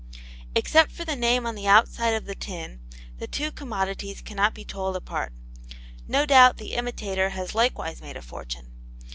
Except for the name on the outside of the tin, the two commodities cannot be told apart. No doubt the imitator has likewise made a fortune.